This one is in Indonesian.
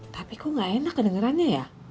tapi kok gak enak kedengarannya ya